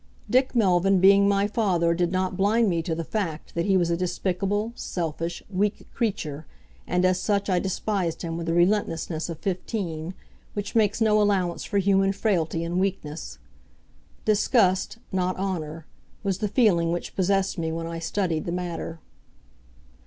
Dick Melvyn being my father did not blind me to the fact that he was a despicable, selfish, weak creature, and as such I despised him with the relentlessness of fifteen, which makes no allowance for human frailty and weakness. Disgust, not honour, was the feeling which possessed me when I studied the matter.